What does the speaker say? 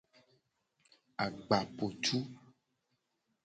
Agbapotu.